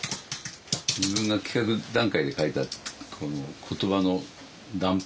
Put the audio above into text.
自分が企画段階で書いた言葉の断片。